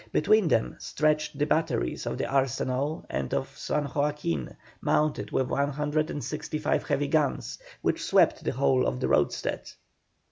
Between them stretched the batteries of the arsenal and of San Joaquin, mounted with 165 heavy guns, which swept the whole of the roadstead.